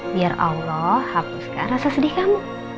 biar allah hapuskan rasa sedih kamu